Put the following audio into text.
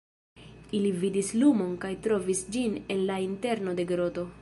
Ili vidis lumon kaj trovis ĝin en la interno de groto.